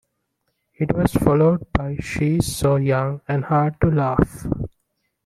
It was followed by "She's So Young" and "Hard To Laugh".